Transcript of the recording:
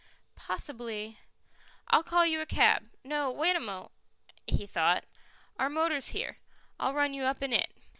"Possibly " "I'll call you a cab. No; wait a mo " He thought. "Our motor's here. I'll run you up in it."